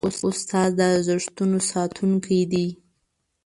استاد د ارزښتونو ساتونکی دی.